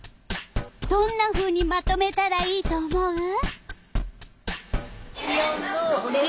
どんなふうにまとめたらいいと思う？